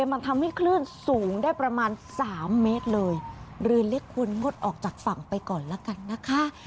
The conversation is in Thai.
มันทำให้คลื่นสูงได้ประมาณสามเมตรเลยเรือเล็กควรงดออกจากฝั่งไปก่อนละกันนะคะ